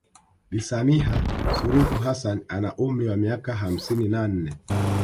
Bi Samia Suluhu Hassanni ana umri wa miaka hamsini na nne